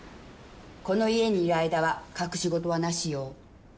この家にいる間は隠し事はなしよ。